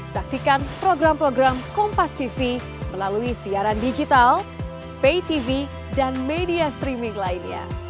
saksikan program program kompastv melalui siaran digital paytv dan media streaming lainnya